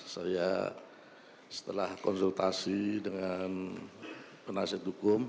saya setelah konsultasi dengan penasihat hukum